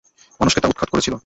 মানুষকে তা উৎখাত করেছিল।